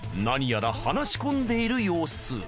なにやら話し込んでいる様子。